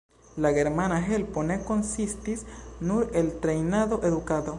La germana helpo ne konsistis nur el trejnado, edukado.